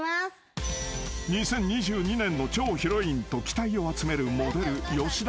［２０２２年の超ヒロインと期待を集めるモデル］